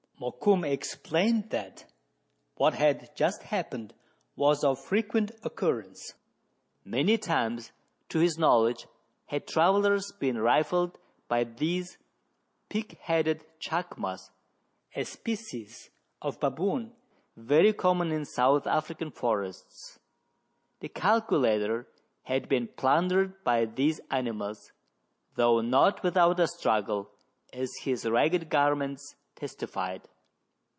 Mokoum explained that what had just happened was of frequent occurrence. Many times, to his knowledge, had travellers been rifled by these pig headed chacmas, a species of baboon very common in South African forests. The calculator had been plundered by these animals, though not without a struggle, as his ragged garments testified.